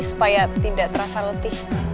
supaya tidak terasa letih